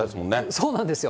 そうなんですよ。